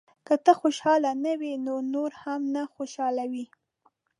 • که ته خوشحاله نه یې، نو نور هم نه خوشحالوې.